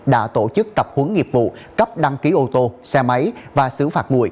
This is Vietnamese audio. đã tổ chức tập huấn nghiệp vụ cấp đăng ký ô tô xe máy và xứ phạt mùi